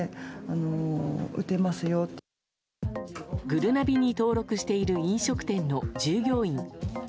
ぐるなびに登録している飲食店の従業員。